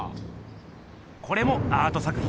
これもアート作品ですよ。